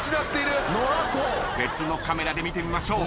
別のカメラで見てみましょう。